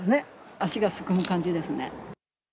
足がすくむ感じですね。